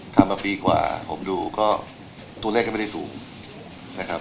ทำมาปีกว่าผมดูก็ตัวเลขก็ไม่ได้สูงนะครับ